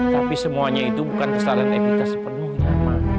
tapi semuanya itu bukan kesalahan evita sepenuhnya ma